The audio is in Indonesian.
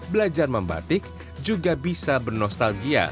belajar membatik juga bisa bernostalgia